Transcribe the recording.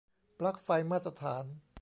ปลั๊กไฟมาตรฐาน